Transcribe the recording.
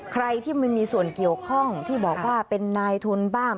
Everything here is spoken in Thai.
ใครที่ไม่มีส่วนเกี่ยวข้องที่บอกว่าเป็นนายทุนบ้าง